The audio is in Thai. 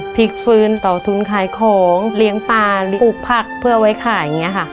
กฟื้นต่อทุนขายของเลี้ยงปลาปลูกผักเพื่อไว้ขายอย่างนี้ค่ะ